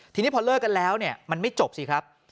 ทีนี้พอเลิกกันแล้วเนี่ยมันไม่จบสิครับ